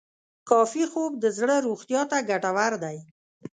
کافي خوب د زړه روغتیا ته ګټور دی.